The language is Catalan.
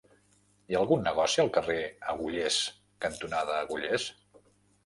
Hi ha algun negoci al carrer Agullers cantonada Agullers?